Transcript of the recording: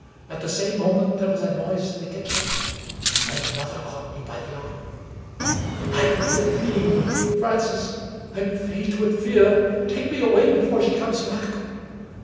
At the same moment, there was a noise in the kitchen, and my mother caught me by the arm. "The knife of the Dream! Francis, I*m faint with fear — take me away before she comes back!